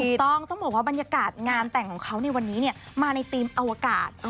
ต้องบอกว่าบรรยากาศงานแต่งของเขาในวันนี้มาในธีมอวกาศ